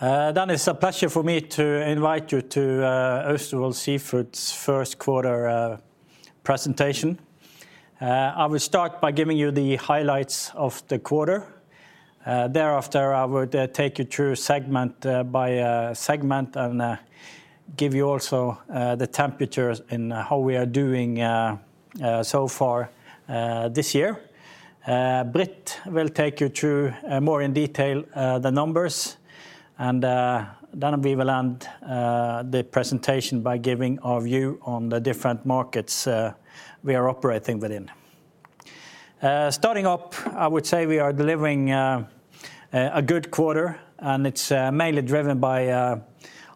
It's a pleasure for me to invite you to Austevoll Seafood's Q1 presentation. I will start by giving you the highlights of the quarter. Thereafter, I would take you through segment by segment and give you also the temperatures and how we are doing so far this year. Britt will take you through in more detail the numbers and and i will end the presentation by giving our view on the different markets we are operating within. Starting up, I would say we are delivering a good quarter, and it's mainly driven by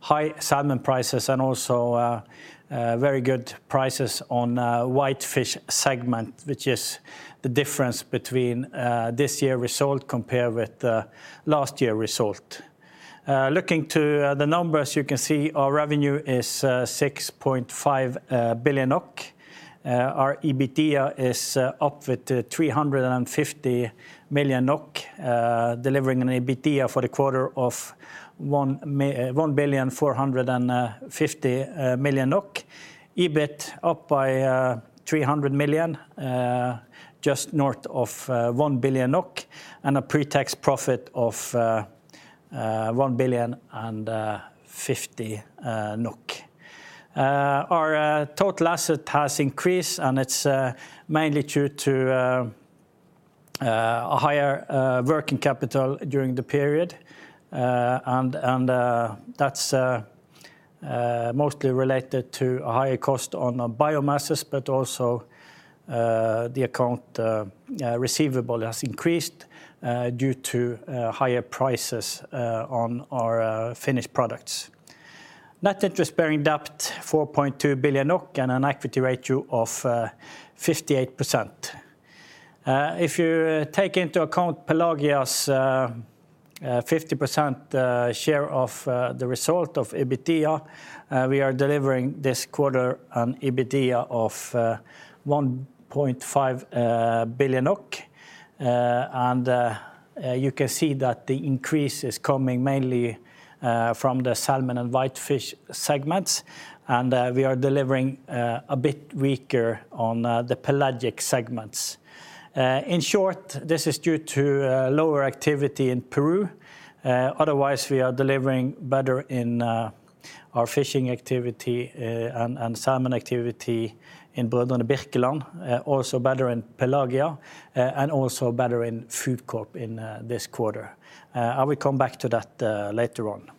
high salmon prices and also very good prices on whitefish segment, which is the difference between this year's result compared with last year's result. Looking to the numbers, you can see our revenue is 6.5 billion. Our EBITDA is up with 350 million, delivering an EBITDA for the quarter of 1.45 billion. EBIT up by 300 million, just north of NOK 1 billion and a pre-tax profit of 1.05 billion. Our total assets have increased, and it's mainly due to a higher working capital during the period. That's mostly related to a higher cost on biological assets, but also the accounts receivable has increased due to higher prices on our finished products. Net interest-bearing debt, 4.2 billion NOK and an equity ratio of 58%. If you take into account Pelagia's 50% share of the result of EBITDA, we are delivering this quarter an EBITDA of 1.5 billion. You can see that the increase is coming mainly from the salmon and whitefish segments. We are delivering a bit weaker on the pelagic segments. In short, this is due to lower activity in Peru. Otherwise, we are delivering better in our fishing activity and salmon activity in Br. Birkeland, also better in Pelagia, and also better in Foodcorp in this quarter. I will come back to that later on.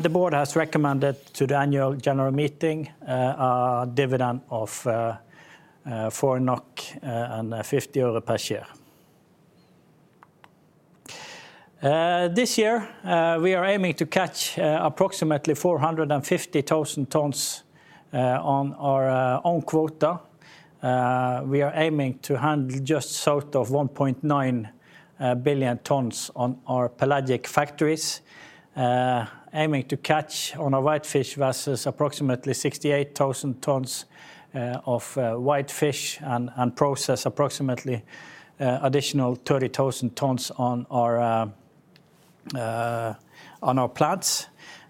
The board has recommended to the annual general meeting a dividend of 4 NOK and 50 øre per share. This year, we are aiming to catch approximately 450,000 tons on our own quota. We are aiming to handle just over 1.9 million tons on our pelagic factories. Aiming to catch on whitefish approximately 68,000 tons of whitefish and process approximately additional 30,000 tons on our plants.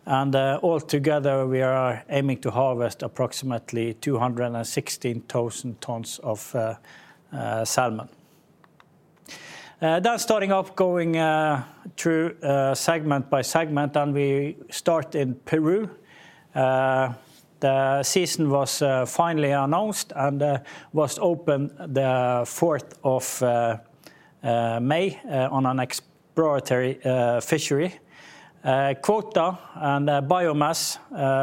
All together, we are aiming to harvest approximately 216,000 tons of salmon. That's starting by going through segment by segment, and we start in Peru. The season was finally announced and was opened the fourth of May on an exploratory fishery. Quota and biomass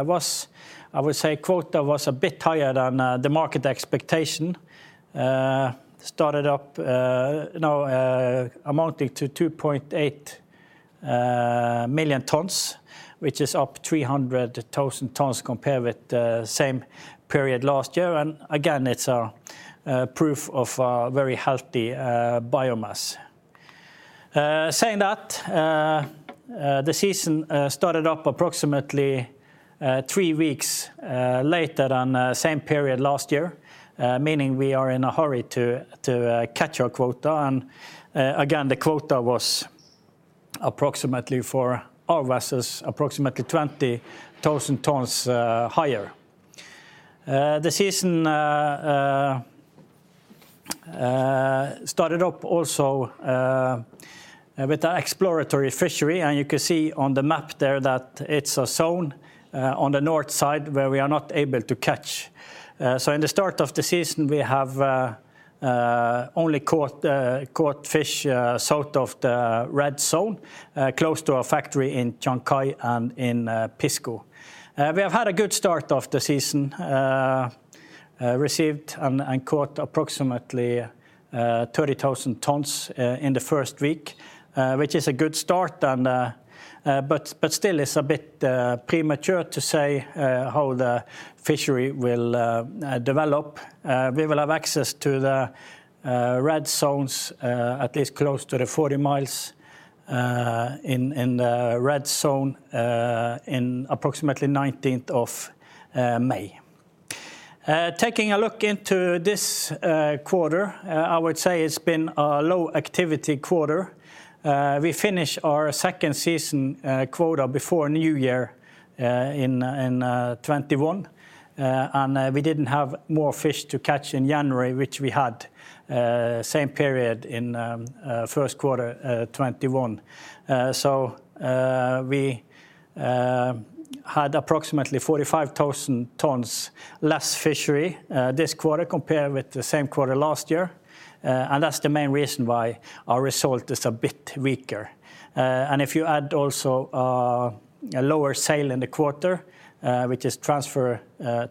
was, I would say quota was a bit higher than the market expectation. It started up now amounting to 2.8 million tons, which is up 300,000 tons compared with the same period last year. It's a proof of a very healthy biomass. Saying that the season started up approximately three weeks later than same period last year, meaning we are in a hurry to catch our quota. Again, the quota was approximately for our vessels approximately 20,000 tons higher. The season started up also with the exploratory fishery. You can see on the map there that it's a zone on the north side where we are not able to catch. In the start of the season, we have only caught fish south of the red zone close to our factory in Chancay and in Pisco. We have had a good start of the season, received and caught approximately 30,000 tons in the first week, which is a good start and but still it's a bit premature to say how the fishery will develop. We will have access to the red zones, at least close to the 40 miles, in the red zone, in approximately nineteenth of May. Taking a look into this quarter, I would say it's been a low activity quarter. We finish our second season quota before New Year, in 2021. We didn't have more fish to catch in January, which we had same period in Q1 2021. We had approximately 45,000 tons less fishery this quarter compared with the same quarter last year. That's the main reason why our result is a bit weaker. If you add also a lower sale in the quarter, which is transfer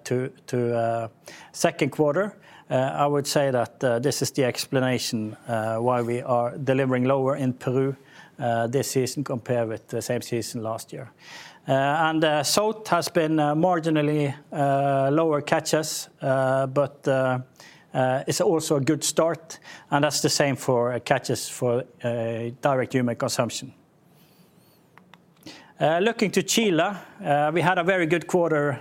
to Q2, I would say that this is the explanation why we are delivering lower in Peru this season compared with the same season last year. Also has been marginally lower catches, but it's also a good start, and that's the same for catches for direct human consumption. Looking to Chile, we had a very good quarter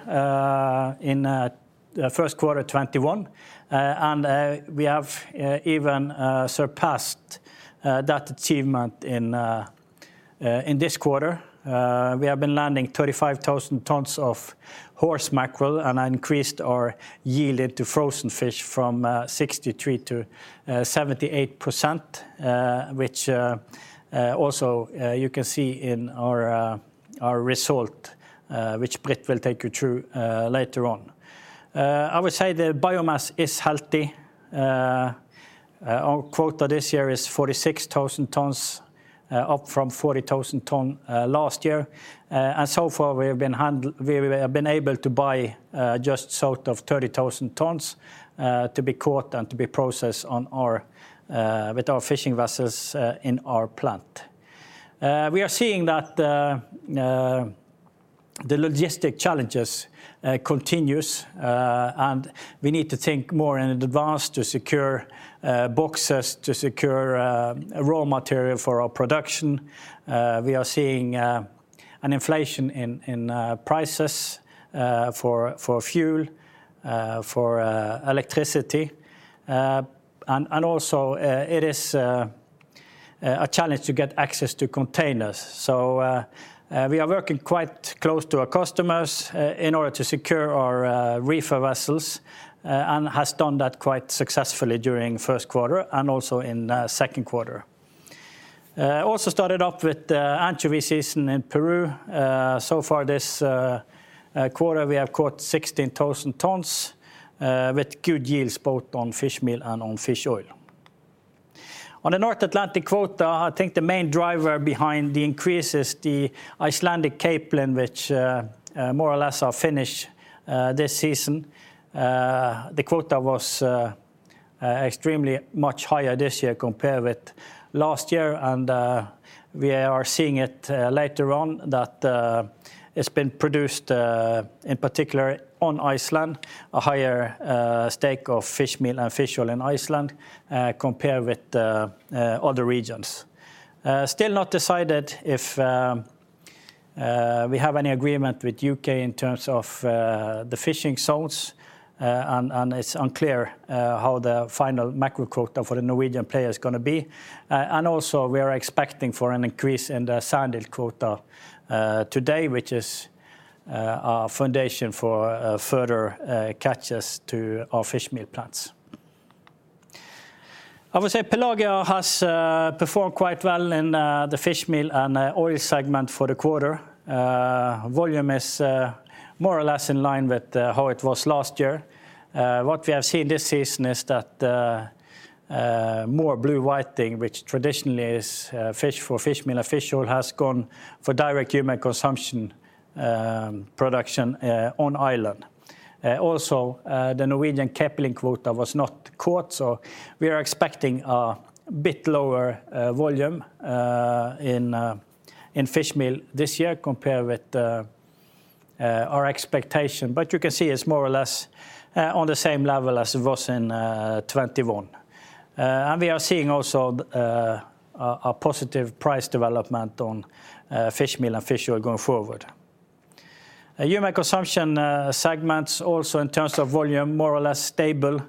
in Q1 2021. We have even surpassed that achievement in this quarter. We have been landing 35,000 tons of horse mackerel and increased our frozen yield from 63%-78%, which also you can see in our result, which Britt will take you through later on. I would say the biomass is healthy. Our quota this year is 46,000 tons, up from 40,000 tons last year. So far we have been able to buy just sort of 30,000 tons to be caught and to be processed with our fishing vessels in our plant. We are seeing that the logistic challenges continues, and we need to think more in advance to secure boxes, to secure raw material for our production. We are seeing an inflation in prices for fuel for electricity. It is a challenge to get access to containers. We are working quite close to our customers in order to secure our reefer vessels and has done that quite successfully during Q1 and also in Q2. Also started off with anchovy season in Peru. So far this quarter we have caught 16,000 tons with good yields both on fishmeal and on fish oil. On the North Atlantic quota, I think the main driver behind the increase is the Icelandic capelin, which more or less are finished this season. The quota was extremely much higher this year compared with last year and we are seeing it later on that it's been produced in particular on Iceland, a higher share of fishmeal and fish oil in Iceland compared with other regions. Still not decided if we have any agreement with U.K. in terms of the fishing zones, and it's unclear how the final mackerel quota for the Norwegian player is gonna be. We are expecting for an increase in the sandeel quota today, which is our foundation for further catches to our fishmeal plants. I would say Pelagia has performed quite well in the fishmeal and oil segment for the quarter. Volume is more or less in line with how it was last year. What we have seen this season is that more blue whiting, which traditionally is fish for fishmeal and fish oil, has gone for direct human consumption, production on land. Also, the Norwegian capelin quota was not caught, so we are expecting a bit lower volume in fishmeal this year compared with our expectation. You can see it's more or less on the same level as it was in 2021. We are seeing also a positive price development on fishmeal and fish oil going forward. Human consumption segments also in terms of volume, more or less stable.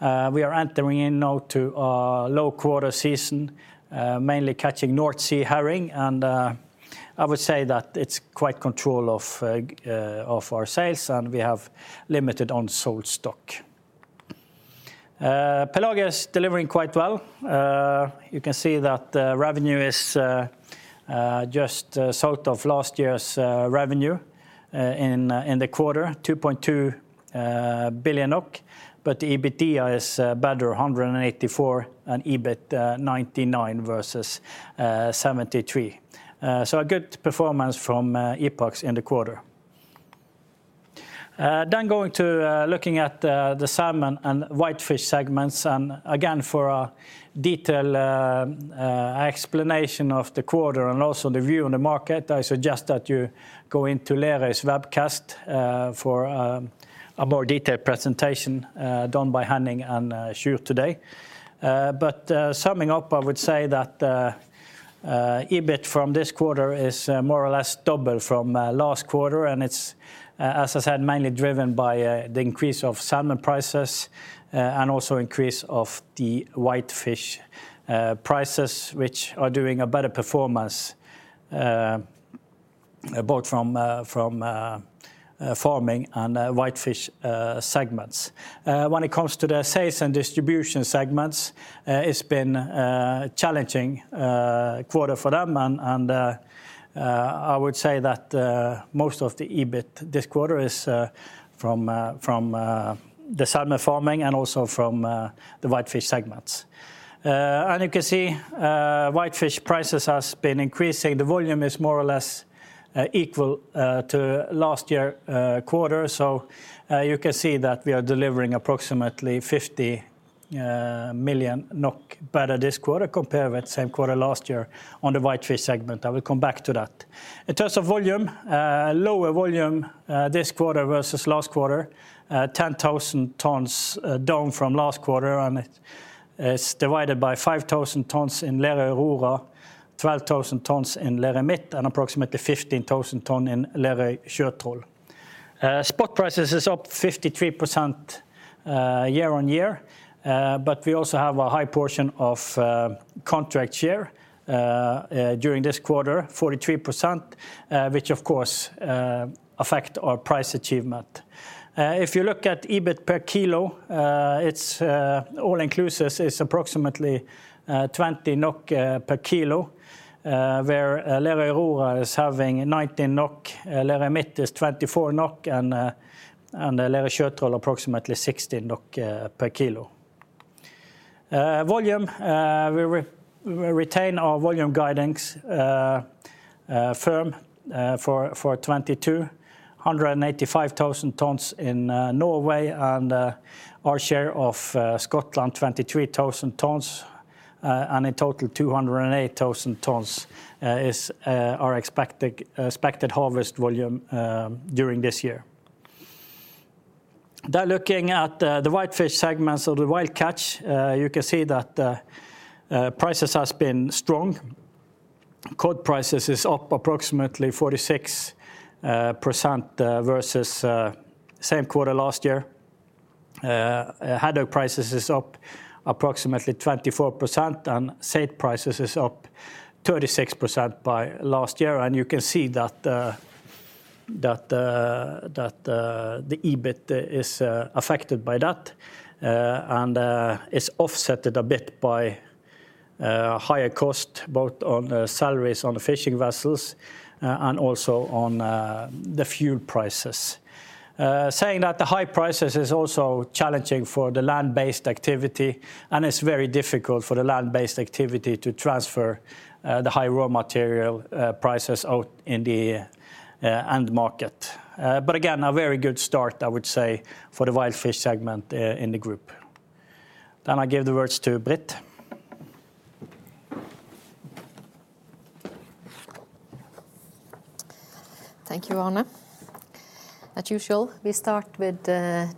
We are entering now into a low quota season, mainly catching North Sea herring. I would say that it's quite in control of our sales, and we have limited unsold stock. Pelagia is delivering quite well. You can see that the revenue is just south of last year's revenue in the quarter, 2.2 billion NOK, but the EBITDA is better, 184 million, and EBIT, 99 million versus 73 million. A good performance from Epax in the quarter. Looking at the salmon and whitefish segments, and again, for a detailed explanation of the quarter and also the view on the market, I suggest that you go into Lerøy's webcast for a more detailed presentation done by Henning and Sjur today. Summing up, I would say that EBIT from this quarter is more or less double from last quarter, and it's, as I said, mainly driven by the increase of salmon prices and also increase of the whitefish prices, which are doing a better performance both from farming and whitefish segments. When it comes to the sales and distribution segments, it's been challenging quarter for them. I would say that most of the EBIT this quarter is from the salmon farming and also from the whitefish segments. You can see whitefish prices has been increasing. The volume is more or less equal to last year quarter. You can see that we are delivering approximately 50 million NOK better this quarter compared with same quarter last year on the whitefish segment. I will come back to that. In terms of volume, lower volume this quarter versus last quarter, 10,000 tons down from last quarter, and it is divided by 5,000 tons in Lerøy Aurora, 12,000 tons in Lerøy Midt, and approximately 15,000 ton in Lerøy Sjøtroll. Spot prices is up 53% year-over-year. We also have a high portion of contract share during this quarter, 43%, which of course affect our price achievement. If you look at EBIT per kilo, it's all inclusive, approximately 20 NOK per kilo, where Lerøy Aurora is having 19 NOK, Lerøy Midt is 24 NOK, and Lerøy Sjøtroll approximately 16 NOK per kilo. Volume, we retain our volume guidance firm for 2022, 185,000 tons in Norway, and our share of Scotland, 23,000 tons. And in total 208,000 tons is our expected harvest volume during this year. Looking at the whitefish segments of the wild catch, you can see that prices has been strong. Cod prices is up approximately 46% versus same quarter last year. Haddock prices is up approximately 24%, and saithe prices is up 36% by last year. You can see that that the EBIT is affected by that and is offset a bit by higher cost both on the salaries on the fishing vessels and also on the fuel prices. Saying that the high prices is also challenging for the land-based activity, and it's very difficult for the land-based activity to transfer the high raw material prices out in the end market. But again, a very good start, I would say, for the whitefish segment in the group. I give the words to Britt. Thank you, Arne. As usual, we start with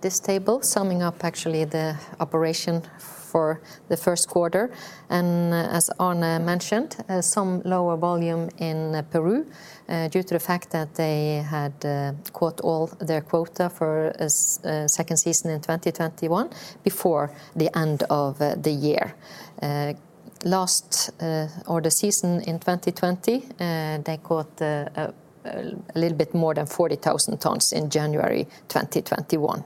this table summing up actually the operation for the Q1. As Arne mentioned, some lower volume in Peru, due to the fact that they had caught all their quota for second season in 2021 before the end of the year. Last year or the season in 2020, they caught a little bit more than 40,000 tons in January 2021.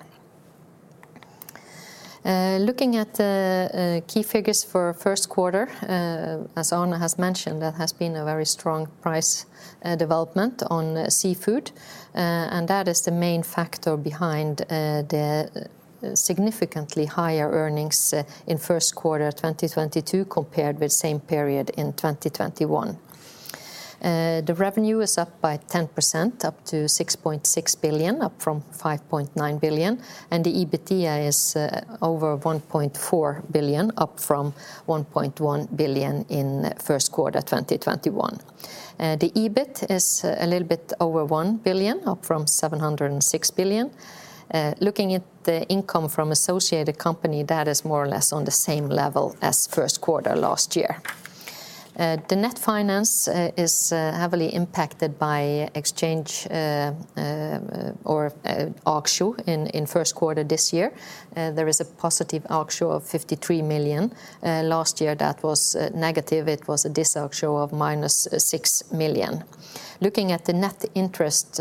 Looking at the key figures for Q1, as Arne has mentioned, that has been a very strong price development on seafood. That is the main factor behind the significantly higher earnings in Q1 2022 compared with same period in 2021. The revenue is up by 10%, up to 6.6 billion, up from 5.9 billion. The EBITDA is over 1.4 billion, up from 1.1 billion in Q1 2021. The EBIT is a little bit over 1 billion, up from 706 million. Looking at the income from associated company, that is more or less on the same level as Q1 last year. The net finance is heavily impacted by agio in Q1 this year. There is a positive agio of 53 million. Last year, that was negative. It was a disagio of minus 6 million. Looking at the net interest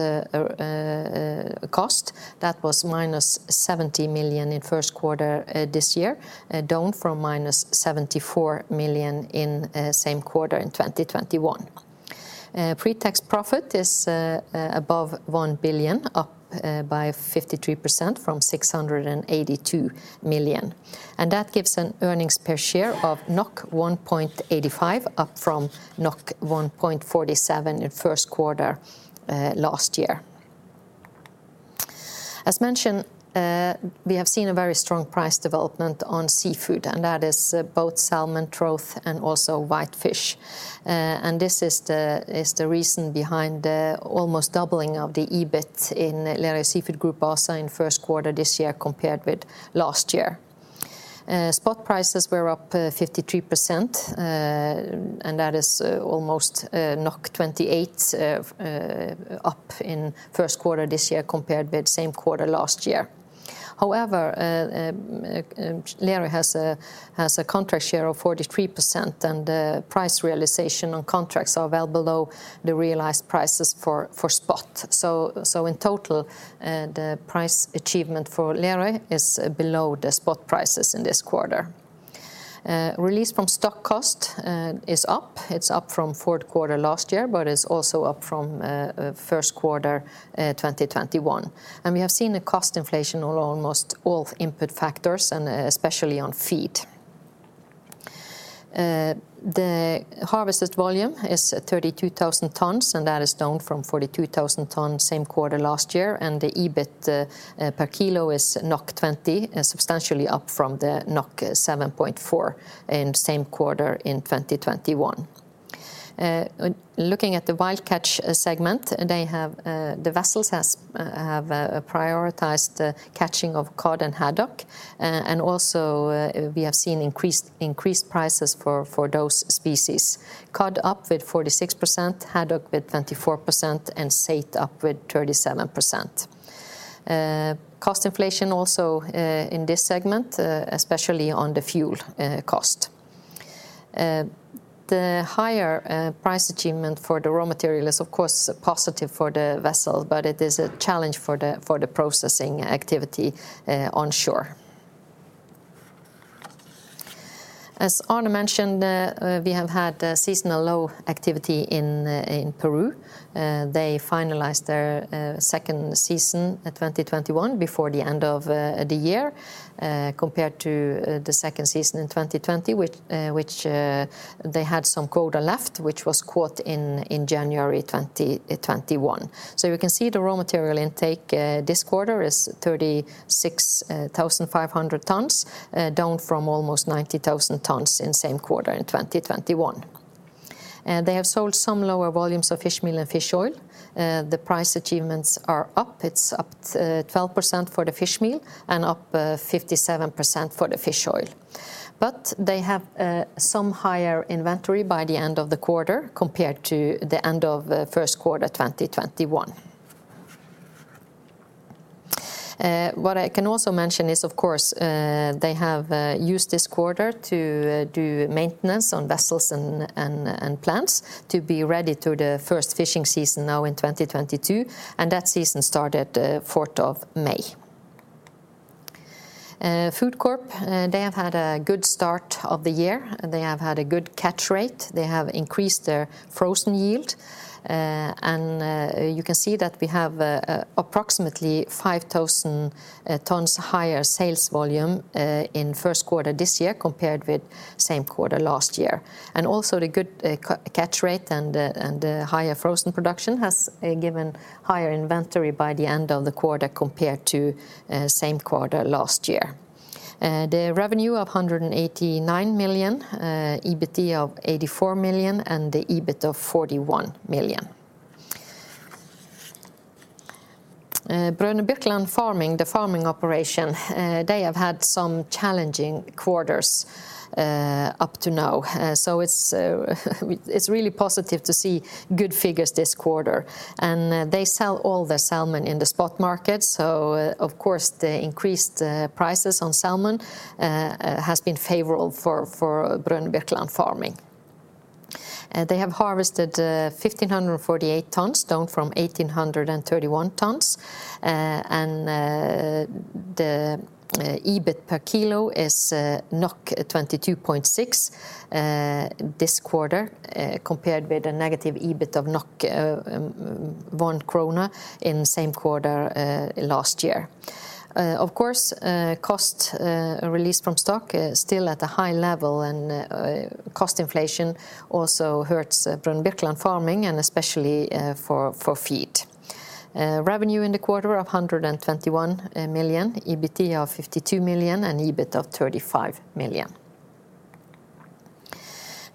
cost, that was minus 70 million in Q1 this year, down from minus 74 million in same quarter in 2021. Pre-tax profit is above 1 billion, up by 53% from 682 million. That gives an earnings per share of 1.85, up from 1.47 in Q1 last year. As mentioned, we have seen a very strong price development on seafood, and that is both salmon, trout, and also whitefish. This is the reason behind the almost doubling of the EBIT in Lerøy Seafood Group also in Q1 this year compared with last year. Spot prices were up 53%, and that is almost 28 up in Q1 this year compared with same quarter last year. However, Lerøy has a contract share of 43% and price realization on contracts are well below the realized prices for spot. In total, the price achievement for Lerøy is below the spot prices in this quarter. Release from stock cost is up. It's up from Q4 last year, but it's also up from Q1 2021. We have seen a cost inflation on almost all input factors and especially on feed. The harvested volume is 32,000 tons, and that is down from 42,000 tons same quarter last year, and the EBIT per kilo is 20, substantially up from the 7.4 in same quarter in 2021. Looking at the wild catch segment, they have the vessels have prioritized the catching of cod and haddock, and also we have seen increased prices for those species. Cod up with 46%, haddock with 24%, and saithe up with 37%. Cost inflation also in this segment, especially on the fuel cost. The higher price achievement for the raw material is of course positive for the vessel, but it is a challenge for the processing activity onshore. As Arne mentioned, we have had a seasonal low activity in Peru. They finalized their second season in 2021 before the end of the year, compared to the second season in 2020, which they had some quota left, which was caught in January 2021. You can see the raw material intake this quarter is 36,500 tons, down from almost 90,000 tons in same quarter in 2021. They have sold some lower volumes of fishmeal and fish oil. The price achievements are up. It's up 12% for the fishmeal and up 57% for the fish oil. They have some higher inventory by the end of the quarter compared to the end of Q1 2021. What I can also mention is of course they have used this quarter to do maintenance on vessels and plants to be ready to the first fishing season now in 2022, and that season started fourth of May. FoodCorp, they have had a good start of the year. They have had a good catch rate. They have increased their frozen yield. You can see that we have approximately 5,000 tons higher sales volume in Q1 this year compared with same quarter last year. Also the good catch rate and higher frozen production has given higher inventory by the end of the quarter compared to same quarter last year. The revenue of 189 million, EBIT of 84 million, and the EBIT of 41 million. Br. Birkeland Farming, the farming operation, they have had some challenging quarters up to now. It's really positive to see good figures this quarter. They sell all the salmon in the spot market. Of course, the increased prices on salmon has been favorable for Br. Birkeland Farming. They have harvested 1,548 tons, down from 1,831 tons. The EBIT per kilo is 22.6 this quarter, compared with a negative EBIT of NOK 1 in same quarter last year. Of course, release from stock cost is still at a high level and cost inflation also hurts Br. Birkeland Farming and especially, for feed. Revenue in the quarter of 121 million, EBIT of 52 million, and EBIT of 35 million.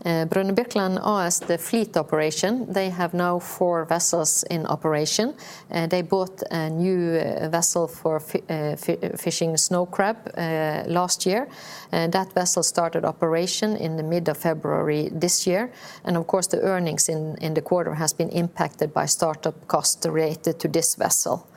Br. Birkeland AS, the fleet operation, they have now 4 vessels in operation. They bought a new vessel for fishing snow crab last year. That vessel started operation in the mid of February this year. Of course, the earnings in the quarter has been impacted by startup costs related to this vessel.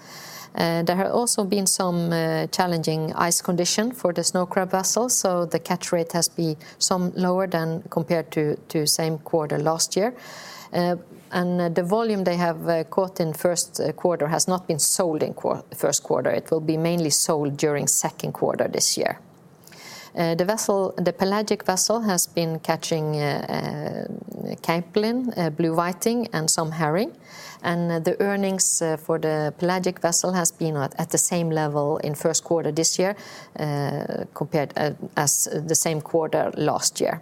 There have also been some challenging ice conditions for the snow crab vessel, so the catch rate has been somewhat lower than compared to the same quarter last year. The volume they have caught in Q1 has not been sold in Q1. It will be mainly sold during Q2 this year. The pelagic vessel has been catching capelin, blue whiting, and some herring. The earnings for the pelagic vessel has been at the same level in Q1 this year compared to the same quarter last year.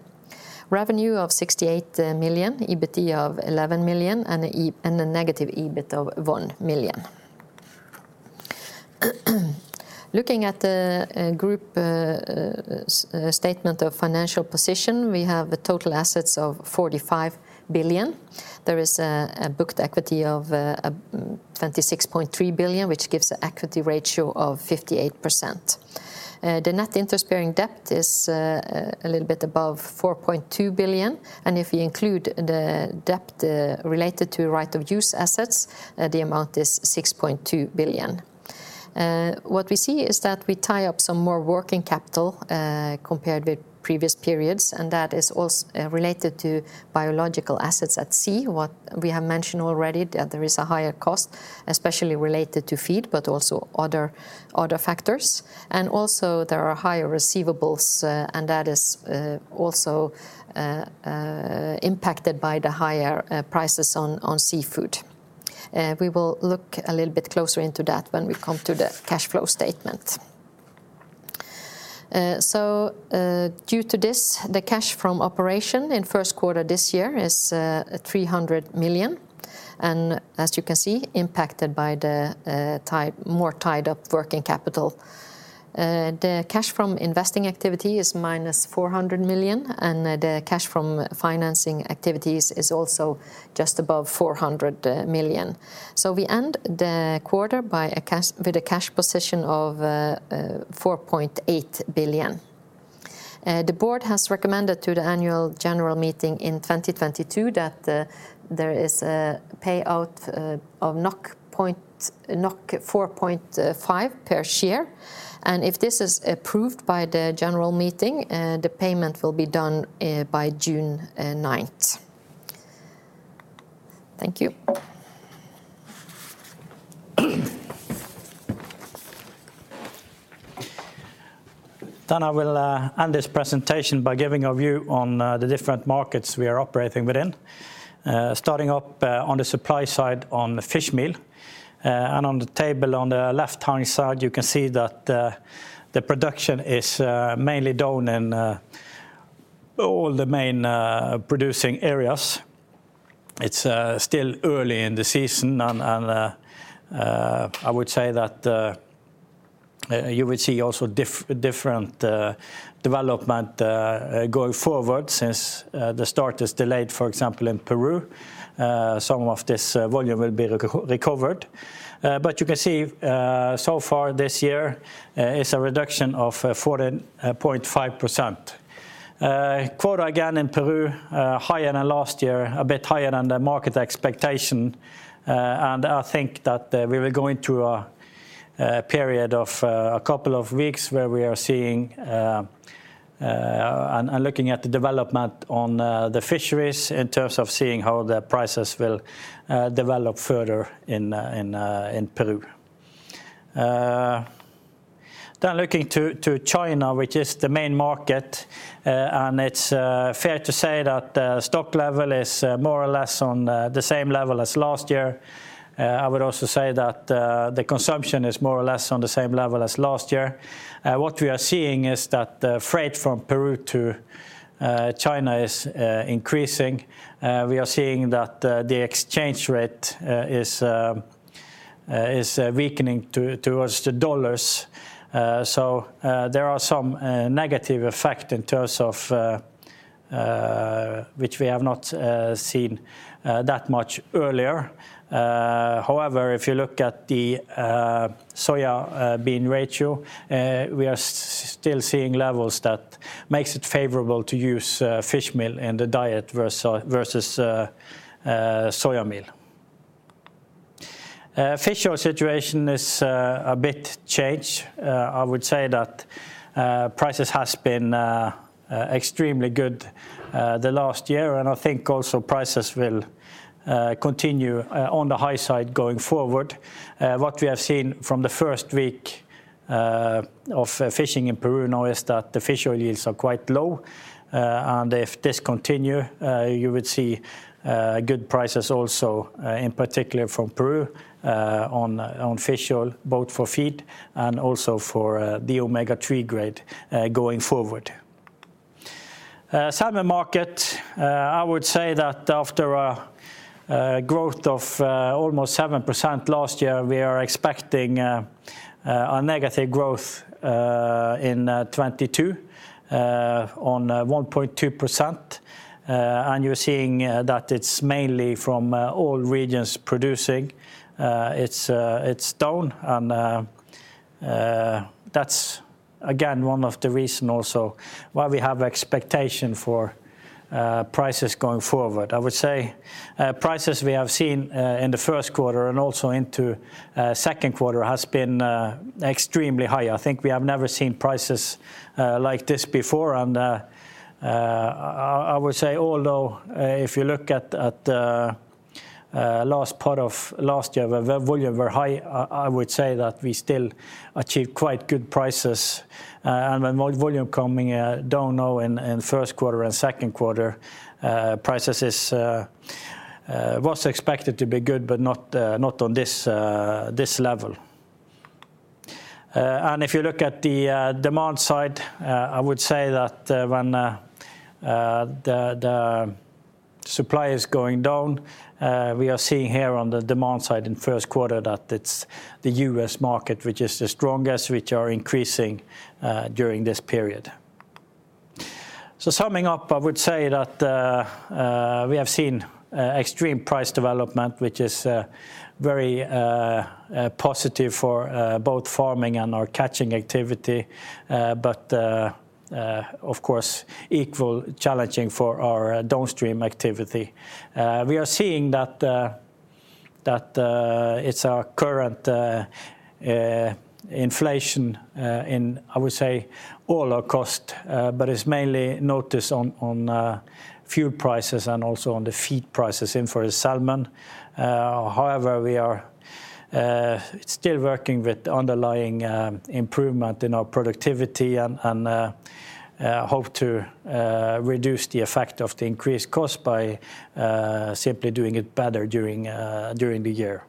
Revenue of 68 million, EBIT of 11 million, and a negative EBIT of 1 million. Looking at the group's statement of financial position, we have the total assets of 45 billion. There is a booked equity of 26.3 billion, which gives an equity ratio of 58%. The net interest-bearing debt is a little bit above 4.2 billion, and if you include the debt related to right-of-use assets, the amount is 6.2 billion. What we see is that we tie up some more working capital compared with previous periods, and that is also related to biological assets at sea, what we have mentioned already that there is a higher cost, especially related to feed but also other factors. Also there are higher receivables, and that is also impacted by the higher prices on seafood. We will look a little bit closer into that when we come to the cash flow statement. Due to this, the cash from operation in Q1 this year is 300 million, and as you can see, impacted by the more tied up working capital. The cash from investing activity is -400 million, and the cash from financing activities is also just above 400 million. We end the quarter with a cash position of 4.8 billion. The board has recommended to the annual general meeting in 2022 that there is a payout of 4.5 per share, and if this is approved by the general meeting, the payment will be done by June ninth. Thank you. I will end this presentation by giving a view on the different markets we are operating within. Starting with the supply side on the fishmeal, and on the table on the left-hand side, you can see that the production is mainly down in all the main producing areas. It's still early in the season and I would say that you would see also different development going forward since the start is delayed, for example, in Peru. Some of this volume will be recovered. But you can see, so far this year, is a reduction of 14.5%. Quota again in Peru higher than last year, a bit higher than the market expectation. I think that we will go into a period of a couple of weeks where we are seeing and looking at the development on the fisheries in terms of seeing how the prices will develop further in Peru. Looking to China, which is the main market, and it's fair to say that the stock level is more or less on the same level as last year. I would also say that the consumption is more or less on the same level as last year. What we are seeing is that the freight from Peru to China is increasing. We are seeing that the exchange rate is weakening towards the dollars. There are some negative effect in terms of which we have not seen that much earlier. However, if you look at the soybean ratio, we are still seeing levels that makes it favorable to use fishmeal in the diet versus soybean meal. Fish oil situation is a bit changed. I would say that prices has been extremely good the last year, and I think also prices will continue on the high side going forward. What we have seen from the first week of fishing in Peru now is that the fish oil yields are quite low, and if this continue, you would see good prices also, in particular from Peru, on fish oil, both for feed and also for the omega-3 grade, going forward. Salmon market, I would say that after a growth of almost 7% last year, we are expecting a negative growth in 2022 on 1.2%. You're seeing that it's mainly from all regions producing, it's down, and that's again one of the reason also why we have expectation for prices going forward. I would say, prices we have seen in the Q1 and also into Q2 has been extremely high. I think we have never seen prices like this before, and I would say although if you look at last part of last year where the volume were high, I would say that we still achieved quite good prices, and when volume coming down now in Q1 and Q2, prices was expected to be good but not on this level. If you look at the demand side, I would say that when the supply is going down, we are seeing here on the demand side in Q1 that it's the U.S. market which is the strongest, which are increasing during this period. Summing up, I would say that we have seen extreme price development, which is very positive for both farming and our catching activity, but of course equal challenging for our downstream activity. We are seeing that it's our current inflation in, I would say all our cost, but it's mainly noticed on fuel prices and also on the feed prices and for the salmon. However, we are still working with underlying improvement in our productivity and hope to reduce the effect of the increased cost by simply doing it better during the year.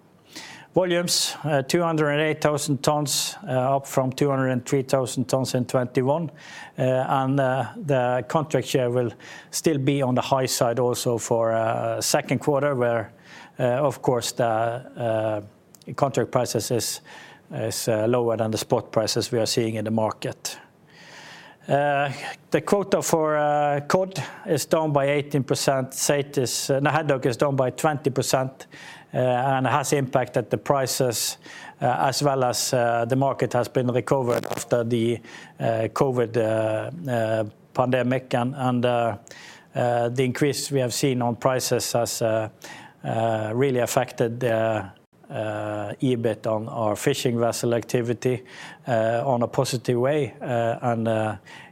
Volumes, 208,000 tons, up from 203,000 tons in 2021. The contract share will still be on the high side also for Q2, where of course the contract prices is lower than the spot prices we are seeing in the market. The quota for cod is down by 18%. Saithe is... The haddock is down by 20% and has impacted the prices as well as the market has been recovered after the COVID pandemic and the increase we have seen on prices has really affected the EBIT on our fishing vessel activity on a positive way.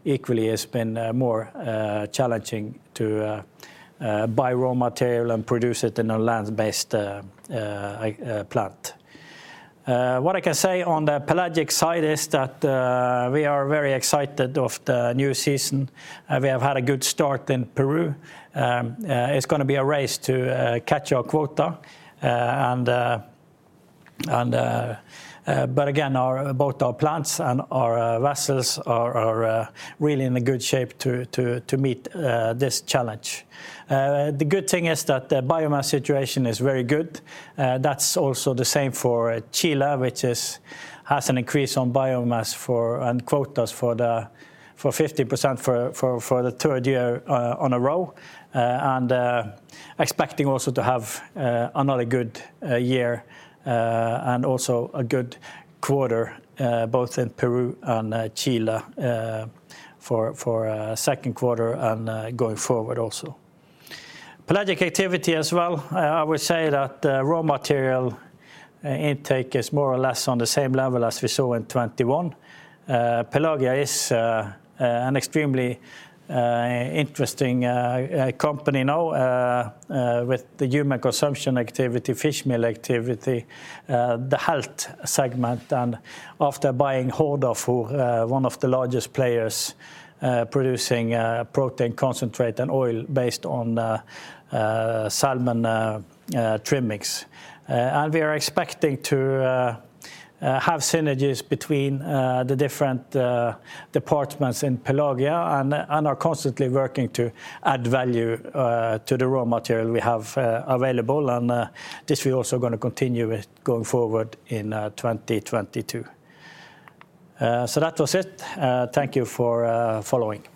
Equally it's been more challenging to buy raw material and produce it in a land-based plant. What I can say on the pelagic side is that we are very excited of the new season. We have had a good start in Peru. It's gonna be a race to catch our quota and but again, our. Both our plants and our vessels are really in a good shape to meet this challenge. The good thing is that the biomass situation is very good. That's also the same for Chile, which has an increase in biomass and quotas for the 50% for the third year in a row. Expecting also to have another good year and also a good quarter both in Peru and Chile for Q2 and going forward also. Pelagic activity as well. I would say that raw material intake is more or less on the same level as we saw in 2021. Pelagia is an extremely interesting company now with the human consumption activity, fishmeal activity, the health segment, and after buying Hordafor, one of the largest players producing protein concentrate and oil based on salmon trimmings. We are expecting to have synergies between the different departments in Pelagia and are constantly working to add value to the raw material we have available. This we're also gonna continue with going forward in 2022. That was it. Thank you for following.